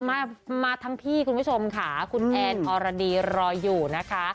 มามาทั้งพี่คุณผู้ชมค่ะคุณแอนอรดีรออยู่นะคะ